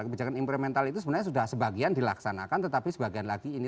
kebijakan implemental itu sebenarnya sudah sebagian dilaksanakan tetapi sebagian lagi ini